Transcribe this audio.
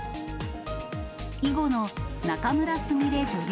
囲碁の仲邑菫女流